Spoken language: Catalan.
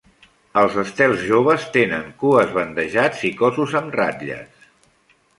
Els estels joves tenen cues bandejats i cossos amb ratlles.